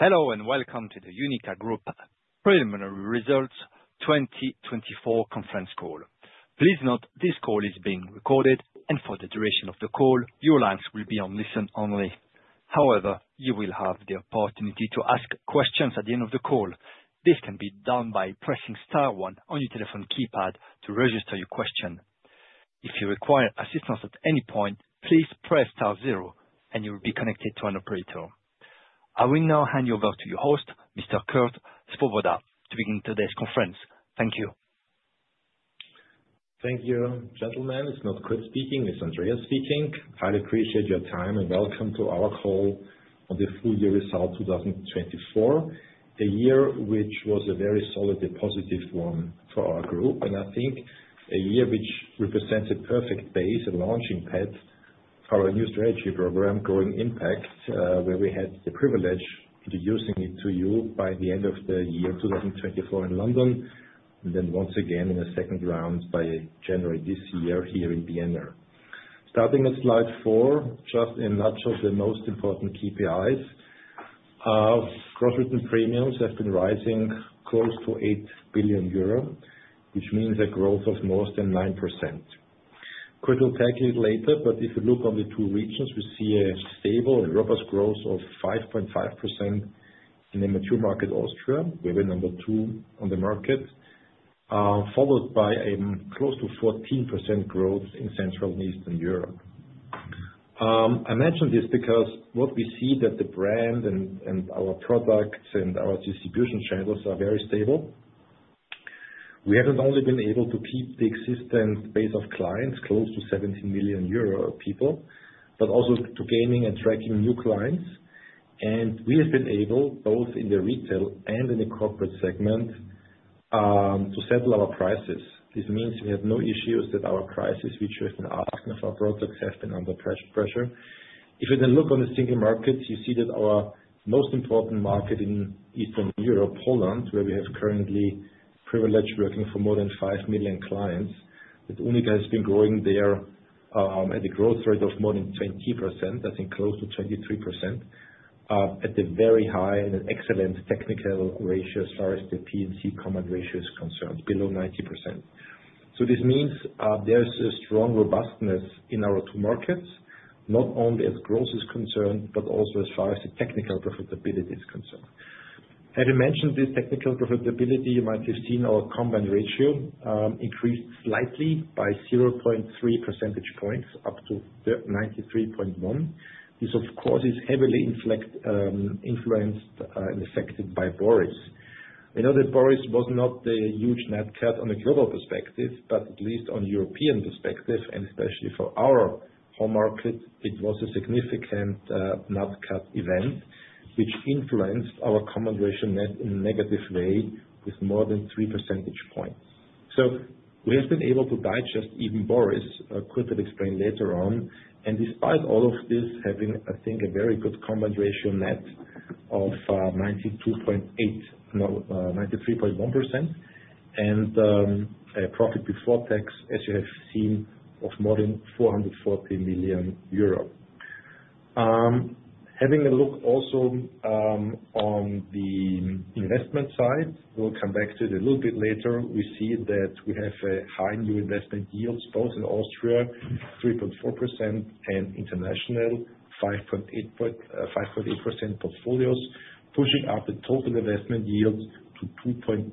Hello and welcome to the UNIQA Group Preliminary Results 2024 Conference Call. Please note this call is being recorded, and for the duration of the call, your lines will be on listen only. However, you will have the opportunity to ask questions at the end of the call. This can be done by pressing star one on your telephone keypad to register your question. If you require assistance at any point, please press star zero, and you will be connected to an operator. I will now hand you over to your host, Mr. Kurt Svoboda, to begin today's conference. Thank you. Thank you, gentlemen. It's not Kurt speaking, it's Andreas speaking. I appreciate your time and welcome to our call on the full-year result 2024, a year which was a very solid and positive one for our group, and I think a year which represents a perfect base, a launching pad for our new strategy program, Growing Impact, where we had the privilege of using it to you by the end of the year 2024 in London, and then once again in a second round by January this year here in Vienna. Starting at slide four, just in a nutshell, the most important KPIs: gross written premiums have been rising close to 8 billion euro, which means a growth of more than 9%. Kurt will tackle it later, but if you look on the two regions, we see a stable and robust growth of 5.5% in the mature market, Austria, where we're number two on the market, followed by close to 14% growth in Central and Eastern Europe. I mention this because what we see is that the brand and our products and our distribution channels are very stable. We haven't only been able to keep the existent base of clients, close to 17 million euro people, but also to gain and attract new clients. We have been able, both in the retail and in the corporate segment, to settle our prices. This means we have no issues that our prices, which we have been asking for, have been under pressure. If you then look on the single markets, you see that our most important market in Eastern Europe, Poland, where we have currently privilege working for more than 5 million clients, that UNIQA has been growing there at a growth rate of more than 20%, that's in close to 23%, at a very high and excellent technical ratio as far as the P&C combined ratio is concerned, below 90%. This means there's a strong robustness in our two markets, not only as growth is concerned, but also as far as the technical profitability is concerned. As I mentioned, this technical profitability, you might have seen our combined ratio increased slightly by 0.3 percentage points, up to 93.1%. This, of course, is heavily influenced and affected by Boris. I know that Boris was not a huge nat cat on a global perspective, but at least on a European perspective, and especially for our home market, it was a significant nat cat event, which influenced our combined ratio net in a negative way with more than 3 percentage points. We have been able to digest even Boris, Kurt will explain later on. Despite all of this, having, I think, a very good combined ratio net of 93.1% and a profit before tax, as you have seen, of more than 440 million euro. Having a look also on the investment side, we will come back to it a little bit later, we see that we have high new investment yields, both in Austria, 3.4%, and International, 5.8% portfolios, pushing up the total investment yield to 2.9%.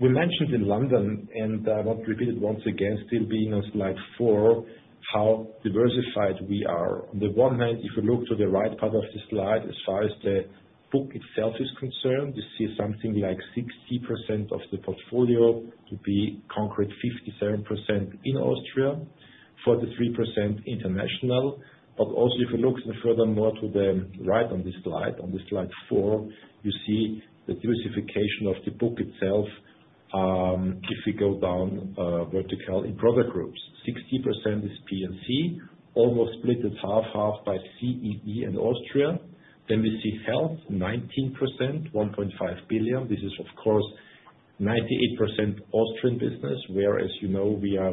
We mentioned in London, and I want to repeat it once again, still being on slide four, how diversified we are. On the one hand, if you look to the right part of the slide, as far as the book itself is concerned, you see something like 60% of the portfolio to be concrete, 57% in Austria, 43% international. If you look furthermore to the right on this slide, on slide four, you see the diversification of the book itself. If we go down vertical in product groups, 60% is P&C, almost split it half-half by CEE and Austria. We see Health, 19%, 1.5 billion. This is, of course, 98% Austrian business, where, as you know, we are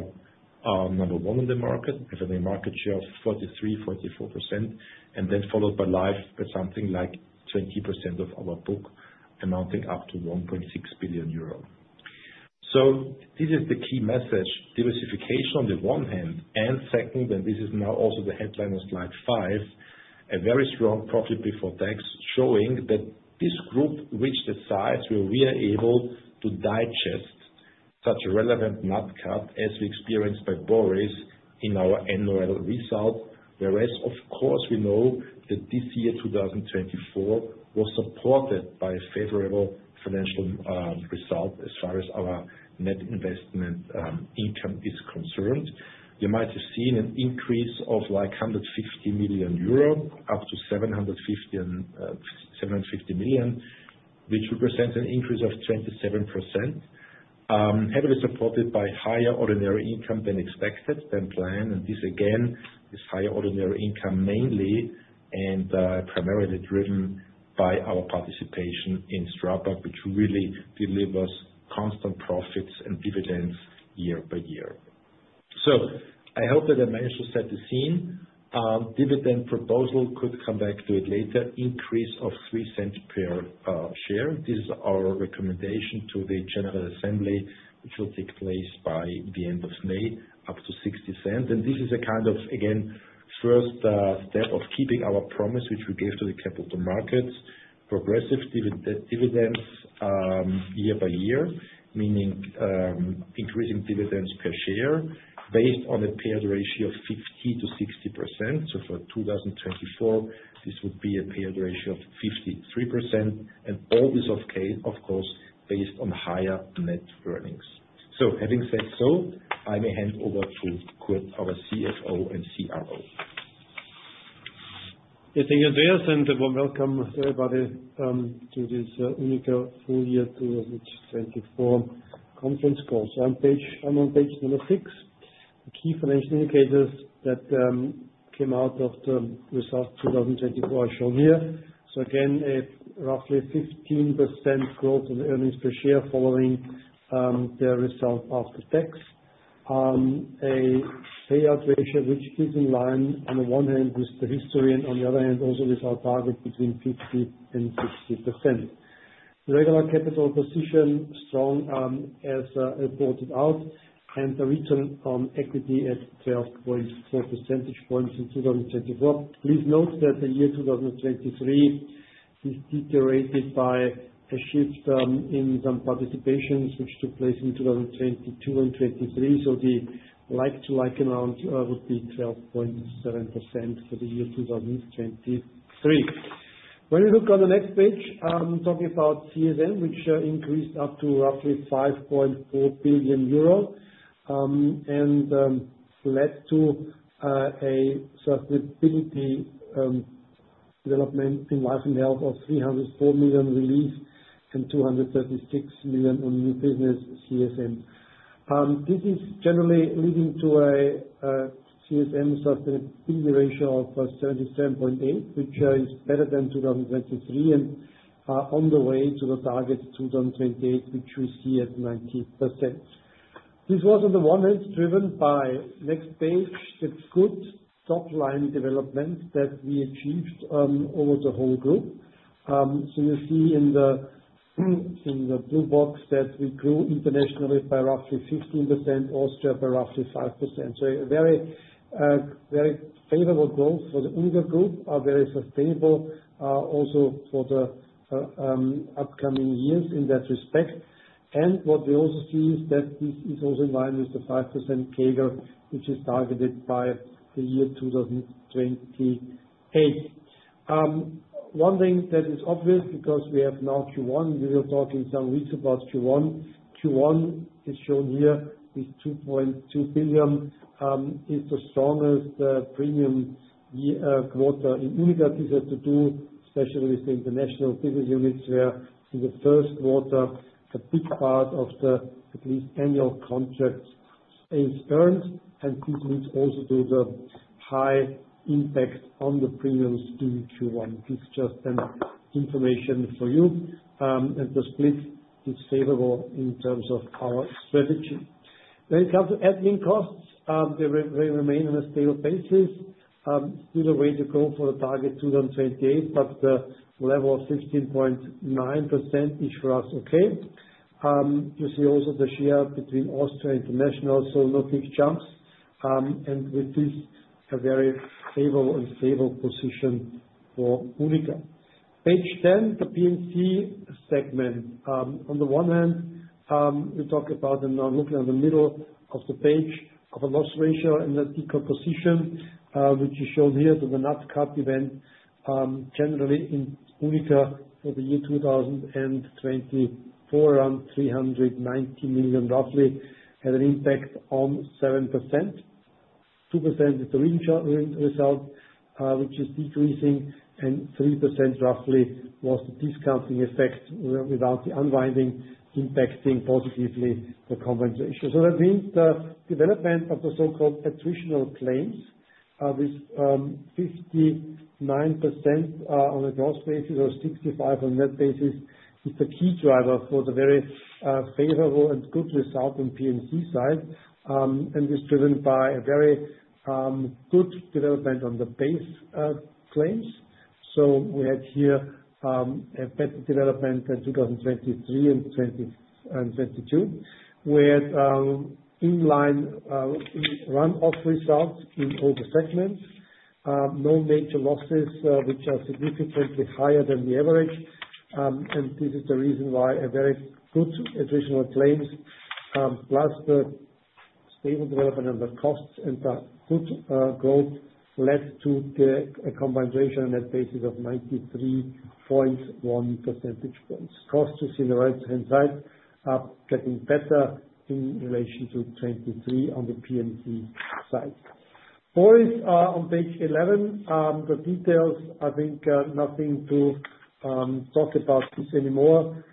number one in the market, having a market share of 43%-44%, and then followed by life, but something like 20% of our book amounting up to 1.6 billion euros. This is the key message: diversification on the one hand, and second, and this is now also the headline on slide five, a very strong profit before tax, showing that this group reached a size where we are able to digest such a relevant nat cat as we experienced by Boris in our annual result, whereas, of course, we know that this year, 2024, was supported by a favorable financial result as far as our net investment income is concerned. You might have seen an increase of like 150 million euro, up to 750 million, which represents an increase of 27%, heavily supported by higher ordinary income than expected, than planned. This again is higher ordinary income mainly and primarily driven by our participation in STRABAG, which really delivers constant profits and dividends year by year. I hope that I managed to set the scene. Dividend proposal could come back to it later, increase of 0.03 per share. This is our recommendation to the General Assembly, which will take place by the end of May, up to 0.60. This is a kind of, again, first step of keeping our promise, which we gave to the capital markets, progressive dividends year by year, meaning increasing dividends per share based on a payout ratio of 50%-60%. For 2024, this would be a payout ratio of 53%, and all this of course, based on higher net earnings. Having said so, I may hand over to Kurt, our CFO and CRO. Yes, thank you, Andreas, and welcome everybody to this UNIQA full year 2024 conference call. I am on page number six, the key financial indicators that came out of the result 2024 are shown here. Again, a roughly 15% growth in earnings per share following the result after tax, a payout ratio which is in line on the one hand with the history and on the other hand also with our target between 50% and 60%. Regulatory capital position, strong as reported out, and the return on equity at 12.4 percentage points in 2024. Please note that the year 2023 is deteriorated by a shift in some participations which took place in 2022 and 2023. The like-to-like amount would be 12.7% for the year 2023. When we look on the next page, I'm talking about CSM, which increased up to roughly 5.8 billion euro and led to a sustainability development in Life and Health of 304 million relief and 236 million on new business CSM. This is generally leading to a CSM sustainability ratio of 77.8%, which is better than 2023 and on the way to the target 2028, which we see at 90%. This was on the one hand driven by next page, the good top-line development that we achieved over the whole group. You see in the blue box that we grew internationally by roughly 15%, Austria by roughly 5%. A very favorable growth for the UNIQA Group, very sustainable also for the upcoming years in that respect. What we also see is that this is also in line with the 5% CAGR, which is targeted by the year 2028. One thing that is obvious because we have now Q1, we were talking some weeks about Q1. Q1 is shown here with 2.2 billion, is the strongest premium quarter in UNIQA. This has to do especially with the international business units where in the first quarter, a big part of that at least annual contracts is earned, and this leads also to the high impact on the premiums in Q1. This is just information for you, and the split is favorable in terms of our strategy. When it comes to admin costs, they remain on a stable basis, still a way to go for the target 2028, but the level of 15.9% is for us okay. You see also the share between Austria and International, so no big jumps. With this, a very favorable and stable position for UNIQA. Page 10, the P&C segment. On the one hand, we talk about and now look at the middle of the page of a loss ratio and a decomposition, which is shown here to the nat cat event. Generally, in UNIQA for the year 2024, around 390 million roughly had an impact on 7%, 2% is the reinsurance result, which is decreasing, and 3% roughly was the discounting effect without the unwinding impacting positively the compensation. That means the development of the so-called attritional claims with 59% on a gross basis or 65% on a net basis is the key driver for the very favorable and good result on P&C side. This is driven by a very good development on the base claims. We had here a better development in 2023 and 2022, where in line run-off result in all the segments, no major losses which are significantly higher than the average. This is the reason why a very good attritional claims, plus the stable development of the costs and the good growth led to a compensation on that basis of 93.1 percentage points. Costs you see on the right-hand side are getting better in relation to 2023 on the P&C side. Boris on page 11, the details, I think nothing to talk about this anymore.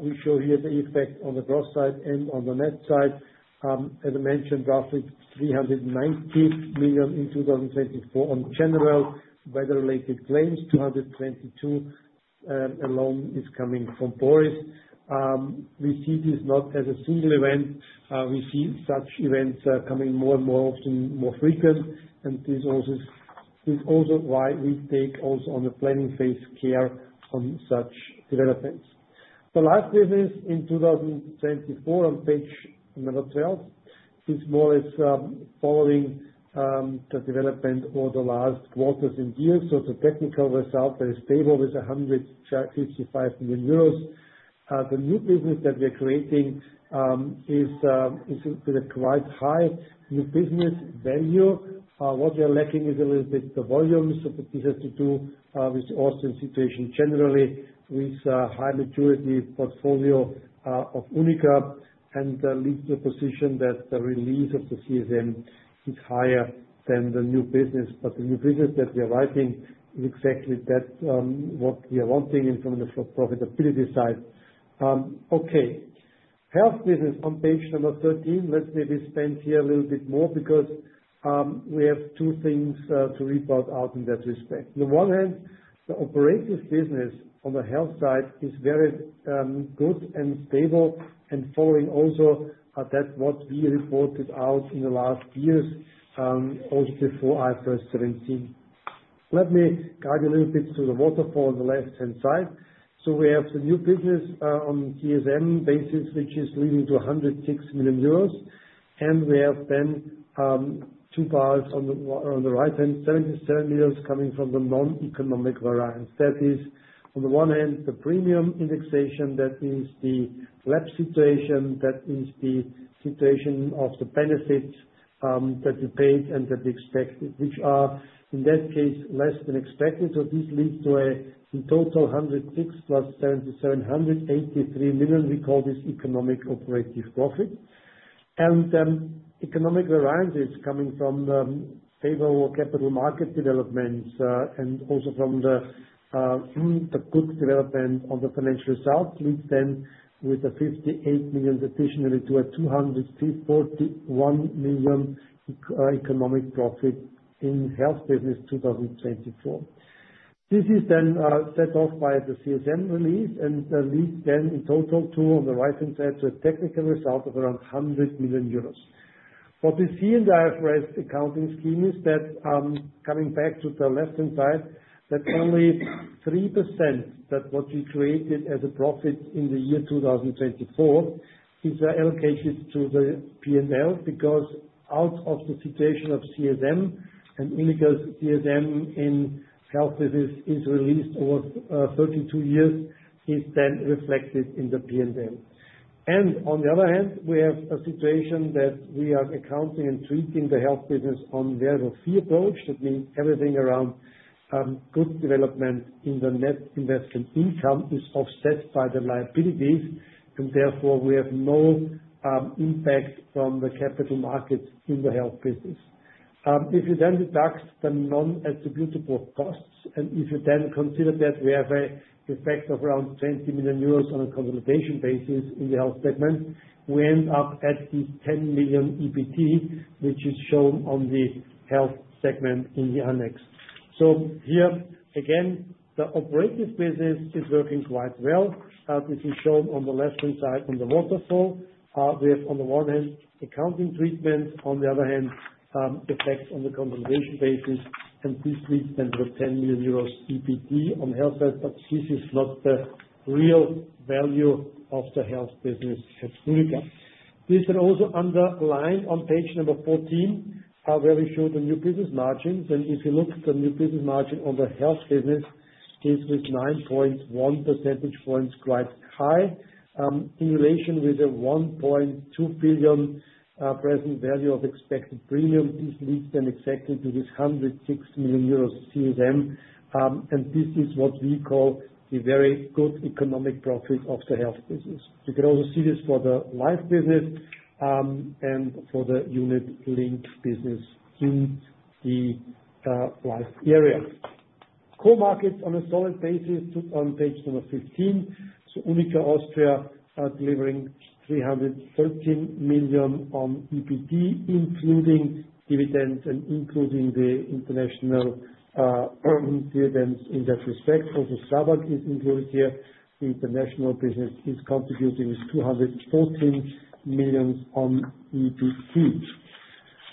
We show here the effect on the gross side and on the net side. As I mentioned, roughly 390 million in 2024 on general weather-related claims, 222 million alone is coming from Boris. We see this not as a single event. We see such events coming more and more often, more frequent. This is also why we take also on the planning phase care on such developments. The last business in 2024 on page number 12 is Boris following the development over the last quarters and years. The technical result that is stable with 155 million euros. The new business that we are creating is with a quite high new business value. What we are lacking is a little bit the volumes. This has to do with the Austrian situation generally with a high maturity portfolio of UNIQA and leads to a position that the release of the CSM is higher than the new business. The new business that we are writing is exactly what we are wanting from the profitability side. Okay, Health business on page number 13. Let's maybe spend here a little bit more because we have two things to report out in that respect. On the one hand, the operating business on the Health side is very good and stable and following also that what we reported out in the last years, also before IFRS 17. Let me guide you a little bit to the waterfall on the left-hand side. We have the new business on CSM basis, which is leading to 106 million euros. We have then two bars on the right-hand, 77 million coming from the non-economic variance. That is, on the one hand, the premium indexation, that is the lap situation, that is the situation of the benefits that we paid and that we expected, which are in that case less than expected. This leads to a total 106 million plus 77 million, 183 million. We call this economic operative profit. Economic variances coming from the favorable capital market developments and also from the good development on the financial results leads then with a 58 million additionally to a 241 million economic profit in Health business 2024. This is then set off by the CSM release and leads then in total to on the right-hand side to a technical result of around 100 million euros. What we see in the IFRS accounting scheme is that coming back to the left-hand side, that only 3% that what we created as a profit in the year 2024 is allocated to the P&L because out of the situation of CSM and UNIQA's CSM in Health business is released over 32 years, it's then reflected in the P&L. On the other hand, we have a situation that we are accounting and treating the Health business on a very fee approach. That means everything around good development in the net investment income is offset by the liabilities, and therefore we have no impact from the capital markets in the health business. If you then deduct the non-attributable costs and if you then consider that we have an effect of around 20 million euros on a consolidation basis in the Health segment, we end up at the 10 million EBT, which is shown on the Health segment in the annex. Here again, the operative business is working quite well. This is shown on the left-hand side on the waterfall. We have on the one hand accounting treatment, on the other hand, some effects on the consolidation basis, and this leads then to the 10 million euros EBT on health side, but this is not the real value of the Health business at UNIQA. This can also underline on page number 14 where we show the new business margins. If you look at the new business margin on the Health business, it is with 9.1 percentage points quite high in relation with a 1.2 billion present value of expected premium. This leads then exactly to this 106 million euros CSM. This is what we call the very good economic profit of the health business. You can also see this for the Life business and for the unit linked business in the Life area. Core markets on a solid basis on page number 15. UNIQA Austria delivering 313 million on EBT, including dividends and including the international dividends in that respect. Also, STRABAG is included here. The International business is contributing with 214 million on EBT.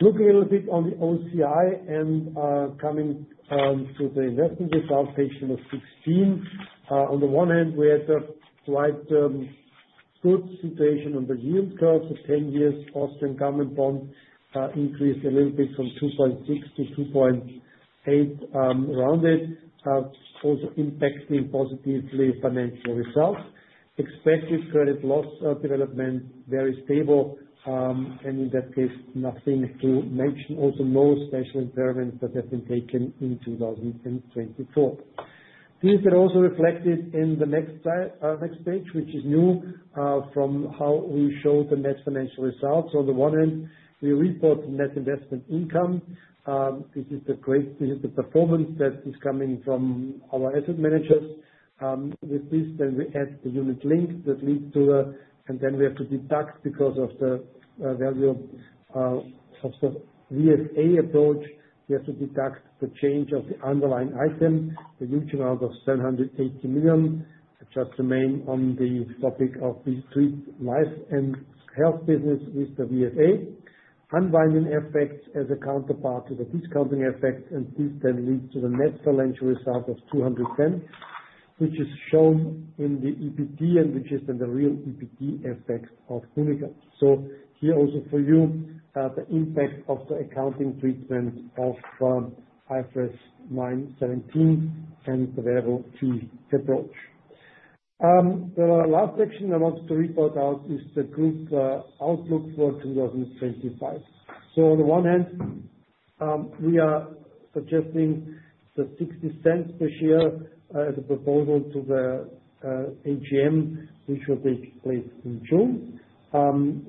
Looking a little bit on the OCI and coming to the investment result, page number 16. On the one hand, we had a quite good situation on the yield curve for 10 years. Austrian government bond increased a little bit from 2.6% to 2.8% rounded, also impacting positively financial results. Expected credit loss development very stable, and in that case, nothing to mention. Also, no special impairments that have been taken in 2024. This is also reflected in the next page, which is new from how we show the net financial results. On the one hand, we report net investment income. This is the performance that is coming from our asset managers. With this, then we add the unit link that leads to the. And then we have to deduct because of the value of the VFA approach, we have to deduct the change of the underlying item, the huge amount of 780 million. Just to name on the topic of the treated Life and Health business with the VFA. Unwinding effects as a counterpart to the discounting effect, and this then leads to the net financial result of 210 million, which is shown in the EBT and which is then the real EBT effect of UNIQA. Here also for you, the impact of the accounting treatment of IFRS 17 and the Variable Fee Approach. The last section I wanted to report out is the group outlook for 2025. On the one hand, we are suggesting the 0.60 per share as a proposal to the AGM, which will take place in June,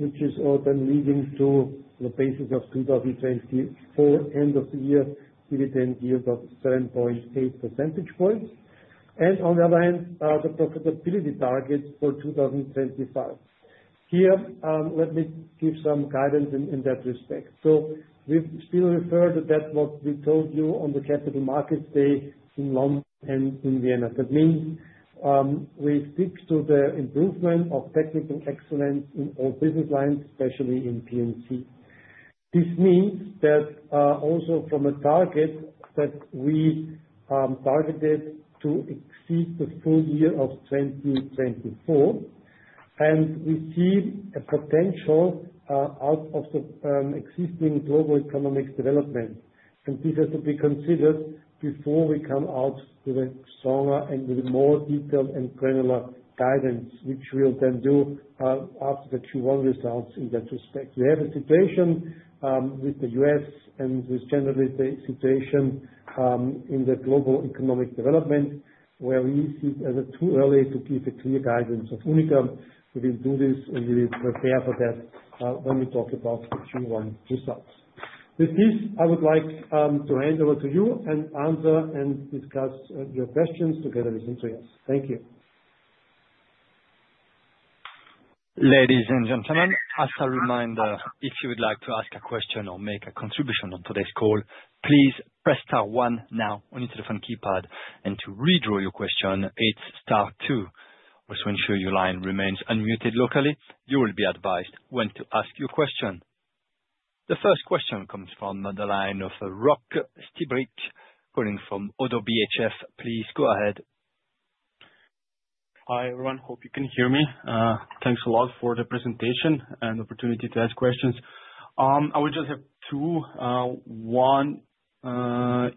which is then leading to the basis of 2024 end-of-the-year dividend yield of 7.8 percentage points. On the other hand, the profitability target for 2025. Here, let me give some guidance in that respect. We still refer to that what we told you on the Capital Markets Day in London and in Vienna. That means we stick to the improvement of technical excellence in all business lines, especially in P&C. This means that also from a target that we targeted to exceed the full year of 2024, and we see a potential out of the existing global economic development. This has to be considered before we come out with a stronger and with more detailed and granular guidance, which we'll then do after the Q1 results in that respect. We have a situation with the U.S. and with generally the situation in the global economic development where we see it as too early to give a clear guidance of UNIQA. We will do this and we will prepare for that when we talk about the Q1 results. With this, I would like to hand over to you and answer and discuss your questions together with Andreas. Thank you. Ladies and gentlemen, as a reminder, if you would like to ask a question or make a contribution on today's call, please press star one now on your telephone keypad. To withdraw your question, it's star two. Also ensure your line remains unmuted locally. You will be advised when to ask your question. The first question comes from the line of Rok Stibrič calling from ODDO BHF. Please go ahead. Hi everyone, hope you can hear me. Thanks a lot for the presentation and opportunity to ask questions. I would just have two. One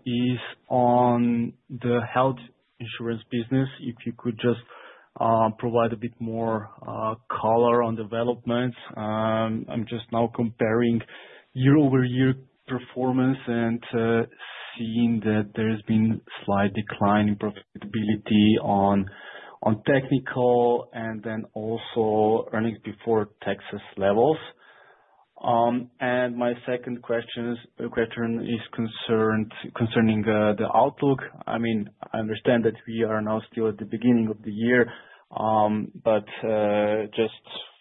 is on the health insurance business. If you could just provide a bit more color on developments. I'm just now comparing year-over-year performance and seeing that there has been a slight decline in profitability on technical and then also earnings before taxes levels. My second question is concerning the outlook. I mean, I understand that we are now still at the beginning of the year, but just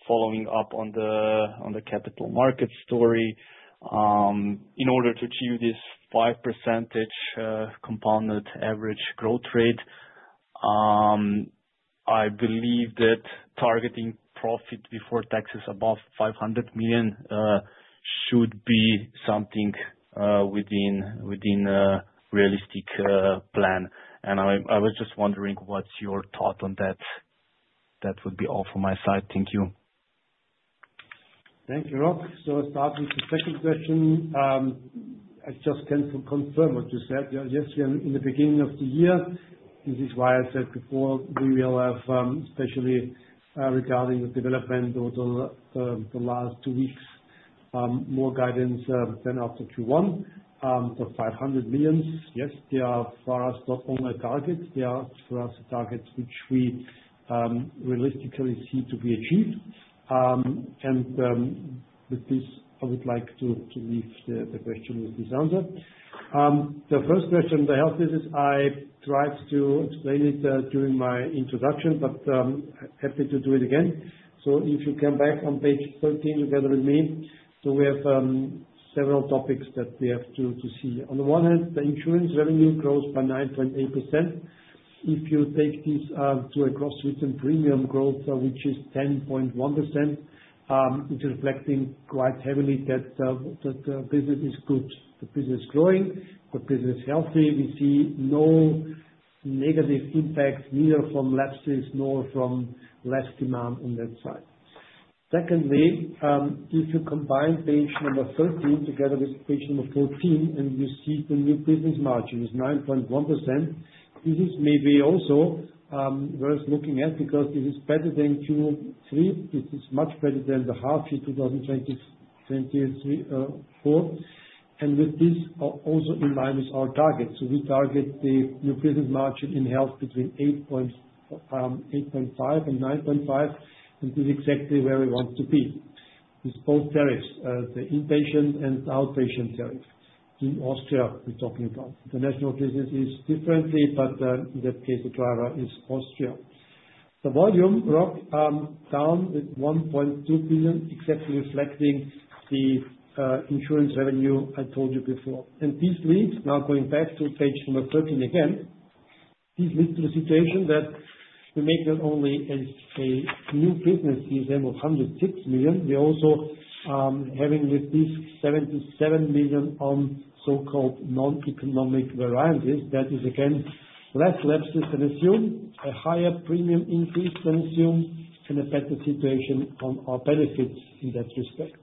following up on the capital markets story, in order to achieve this 5% compounded average growth rate, I believe that targeting profit before taxes above 500 million should be something within a realistic plan. I was just wondering what's your thought on that. That would be all from my side. Thank you. Thank you, Rok. I will start with the second question. I just can confirm what you said. Yes, we are in the beginning of the year. This is why I said before we will have, especially regarding the development over the last two weeks, more guidance than after Q1. The 500 million, yes, they are for us not only a target, they are for us a target which we realistically see to be achieved. With this, I would like to leave the question with this answer. The first question, the Health business, I tried to explain it during my introduction, but happy to do it again. If you come back on page 13 together with me, we have several topics that we have to see. On the one hand, the insurance revenue grows by 9.8%. If you take this to a gross written premium growth, which is 10.1%, it is reflecting quite heavily that the business is good. The business is growing, the business is healthy. We see no negative impact neither from lapses nor from less demand on that side. Secondly, if you combine page number 13 together with page number 14 and you see the new business margin is 9.1%, this is maybe also worth looking at because this is better than Q3. This is much better than the half-year 2024. With this, also in line with our target. We target the new business margin in Health between 8.5%-9.5%, and this is exactly where we want to be. It's both tariffs, the inpatient and outpatient tariff. In Austria, we're talking about. International business is differently, but in that case, the driver is Austria. The volume, Rok, down with 1.2 billion, exactly reflecting the insurance revenue I told you before. These leads, now going back to page number 13 again, lead to the situation that we make not only a new business CSM of 106 million, we are also having with this 77 million on so-called non-economic variances. That is again less lapses than assumed, a higher premium increase than assumed, and a better situation on our benefits in that respect.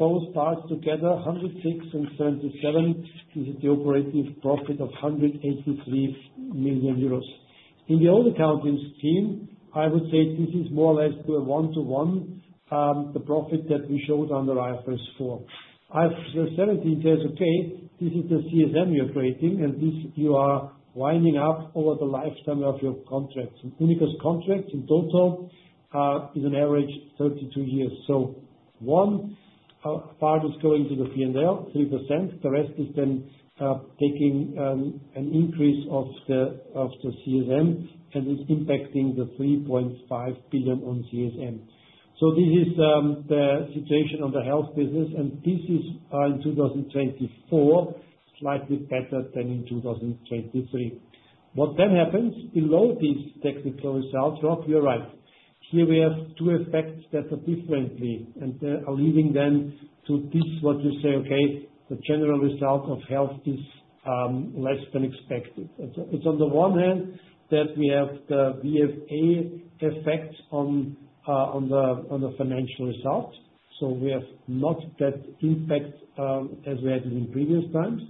Both parts together, 106 million and 77 million, this is the operative profit of 183 million euros. In the old accounting scheme, I would say this is more or less to a one-to-one, the profit that we showed under IFRS 4. IFRS 17 says, "Okay, this is the CSM you are creating, and this you are winding up over the lifetime of your contract." UNIQA's contract in total is an average 32 years. One part is going to the P&L, 3%. The rest is then taking an increase of the CSM, and it's impacting the 3.5 billion on CSM. This is the situation on the health business, and this is in 2024, slightly better than in 2023. What then happens below these technical results, Rok, you're right. Here we have two effects that are differently, and they are leading then to this, what you say, "Okay, the general result of health is less than expected." It is on the one hand that we have the VFA effect on the financial result. We have not that impact as we had in previous times.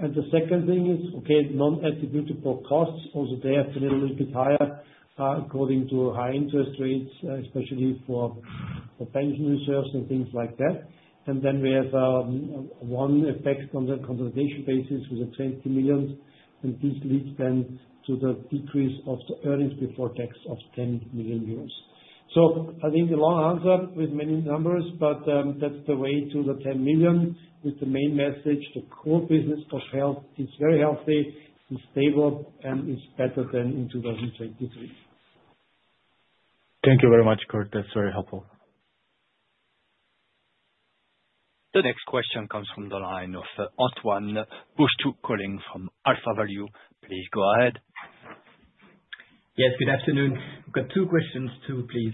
The second thing is, okay, non-attributable costs. Also, they have been a little bit higher according to high interest rates, especially for pension reserves and things like that. Then we have one effect on the consolidation basis with the 20 million, and this leads then to the decrease of the earnings before tax of 10 million euros. I think the long answer with many numbers, but that's the way to the 10 million with the main message. The core business of Health is very healthy, is stable, and is better than in 2023. Thank you very much, Kurt. That's very helpful. The next question comes from the line of Antoine Bouchetoux calling from AlphaValue. Please go ahead. Yes, good afternoon. I've got two questions too, please.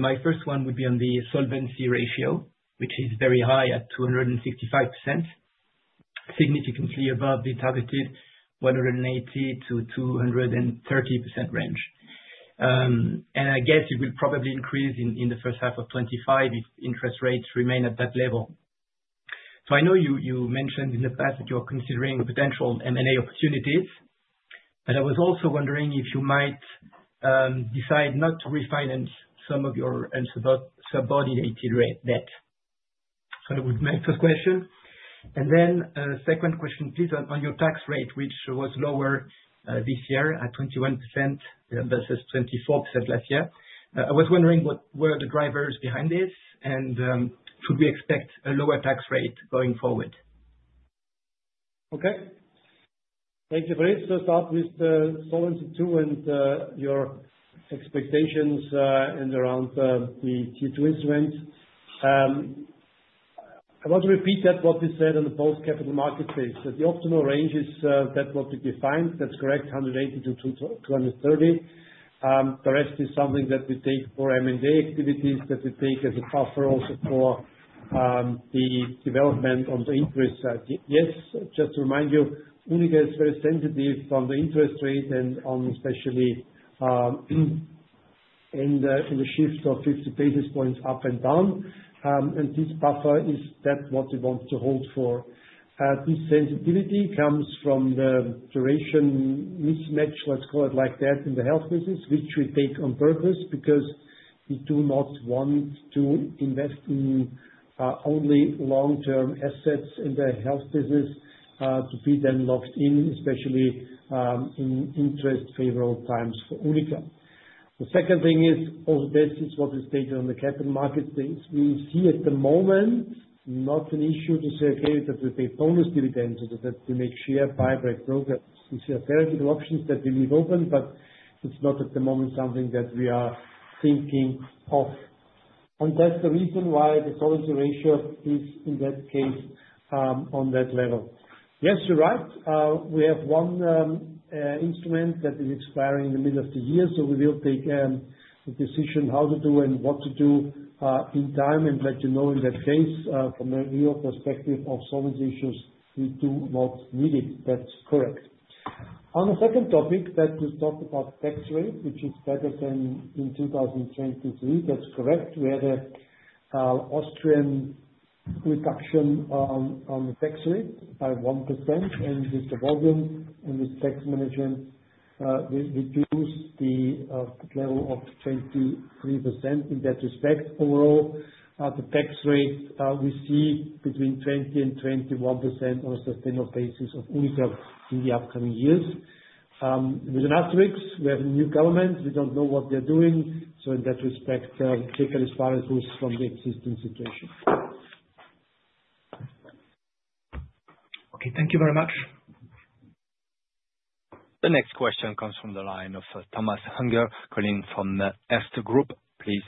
My first one would be on the solvency ratio, which is very high at 265%, significantly above the targeted 180%-230% range. I guess it will probably increase in the first half of 2025 if interest rates remain at that level. I know you mentioned in the past that you are considering potential M&A opportunities, but I was also wondering if you might decide not to refinance some of your unsubordinated debt. That would be my first question. A second question, please, on your tax rate, which was lower this year at 21% versus 24% last year. I was wondering what were the drivers behind this, and should we expect a lower tax rate going forward? Okay. Thank you for this. Let's start with the Solvency II and your expectations around the Q2 instrument. I want to repeat what we said on the post-capital markets days. The optimal range is that what we defined. That's correct, 180 million-230 million. The rest is something that we take for M&A activities that we take as a buffer also for the development on the interest side. Yes, just to remind you, UNIQA is very sensitive on the interest rate and especially in the shift of 50 basis points up and down. This buffer is that what we want to hold for. This sensitivity comes from the duration mismatch, let's call it like that, in the Health business, which we take on purpose because we do not want to invest in only long-term assets in the Health business to be then locked in, especially in interest-favorable times for UNIQA. The second thing is, also this is what we stated on the Capital Markets Day. We see at the moment not an issue to say, "Okay, that we pay bonus dividends or that we make share buyback programs." These are very good options that we leave open, but it's not at the moment something that we are thinking of. That is the reason why the solvency ratio is in that case on that level. Yes, you're right. We have one instrument that is expiring in the middle of the year, so we will take a decision how to do and what to do in time and let you know in that case from a real perspective of solvency issues. We do not need it. That's correct. On the second topic, that we talked about tax rate, which is better than in 2023. That's correct. We had an Austrian reduction on the tax rate by 1%, and with the volume and with tax management, we reduced the level of 23% in that respect. Overall, the tax rate we see between 20%-21% on a sustainable basis of UNIQA in the upcoming years. Within Austria, we have a new government. We don't know what they're doing. In that respect, take a responsibility from the existing situation. Okay, thank you very much. The next question comes from the line of Thomas Unger, calling from Erste Group. Please.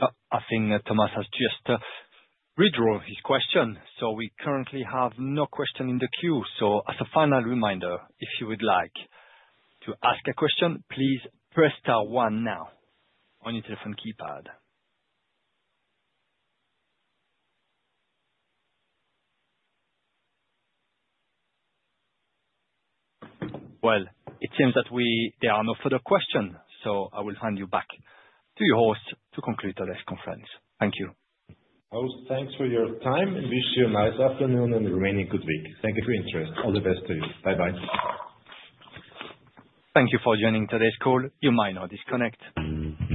I think Thomas has just redrawn his question. We currently have no question in the queue. As a final reminder, if you would like to ask a question, please press star one now on your telephone keypad. It seems that there are no further questions, so I will hand you back to your host to conclude today's conference. Thank you. Thanks for your time. I wish you a nice afternoon and a remaining good week. Thank you for your interest. All the best to you. Bye-bye. Thank you for joining today's call. You may now disconnect.